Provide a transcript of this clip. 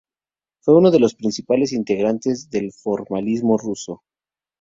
Fue uno de los principales integrantes del formalismo ruso.